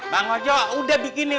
bang ojo udah bikinin